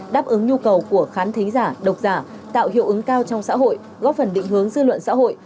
đáp ứng nhu cầu của khán thính giả độc giả tạo hiệu ứng cao trong xã hội góp phần định hướng dư luận xã hội